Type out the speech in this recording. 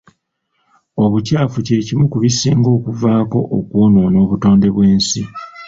Obukyafu kye kimu ku bisinga okuvaako okwonoona obutonde bw'ensi.